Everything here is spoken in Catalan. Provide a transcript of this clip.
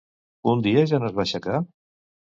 Un dia ja no es va aixecar?